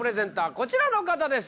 こちらの方です